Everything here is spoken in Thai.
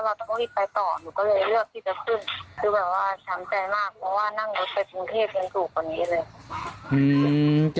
ถ้าเป็นรถสู้ประมาณนี้ค่ะ